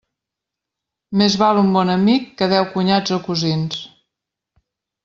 Més val un bon amic que deu cunyats o cosins.